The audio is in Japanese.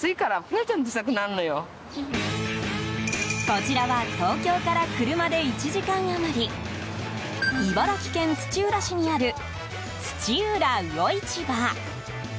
こちらは東京から車で１時間余り茨城県土浦市にある土浦魚市場。